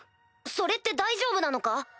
それって大丈夫なのか？